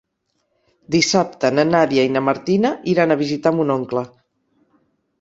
Dissabte na Nàdia i na Martina iran a visitar mon oncle.